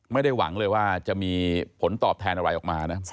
ไม่ได้หวังเลยว่าจะมีผลตอบแทนอะไรออกมานะ